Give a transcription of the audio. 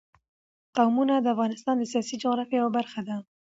قومونه د افغانستان د سیاسي جغرافیه یوه برخه ده.